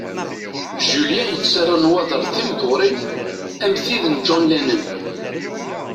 Julien yettarra nnwaḍer d timdewṛin am tid n John Lennon.